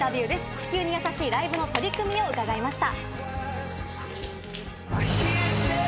地球にやさしいライブの取り組みを伺いました。